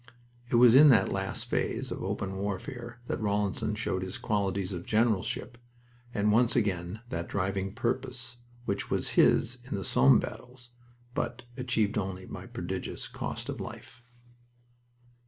It was in that last phase of open warfare that Rawlinson showed his qualities of generalship and once again that driving purpose which was his in the Somme battles, but achieved only by prodigious cost of life.